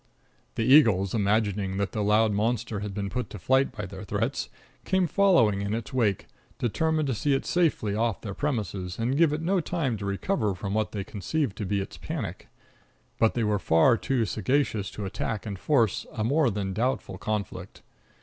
The eagles, imagining that the loud monster had been put to flight by their threats, came following in its wake, determined to see it safely off their premises and give it no time to recover from what they conceived to be its panic. But they were far too sagacious to attack and force a more than doubtful conflict.